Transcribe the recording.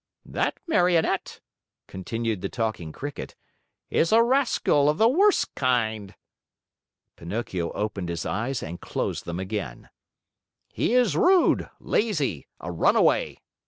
"That Marionette," continued the Talking Cricket, "is a rascal of the worst kind." Pinocchio opened his eyes and closed them again. "He is rude, lazy, a runaway."